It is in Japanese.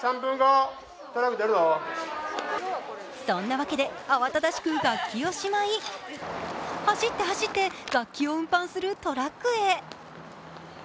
そんなわけで慌ただしく楽器をしまい走って走って、楽器を運搬するトラックへ。